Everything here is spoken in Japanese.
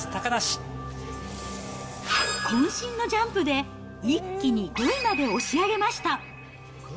こん身のジャンプで、一気に５位まで押し上げました。